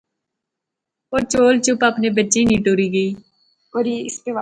او چول چپ اپنے بچے ہنی ٹری گئی